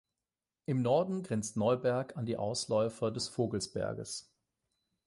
Im Norden grenzt Neuberg an die Ausläufer des Vogelsberges.